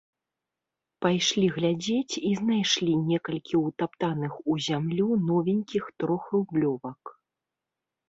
Пайшлі глядзець і знайшлі некалькі ўтаптаных у зямлю новенькіх трохрублёвак.